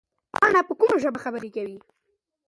پاڼې په کومه ژبه خبره وکړه؟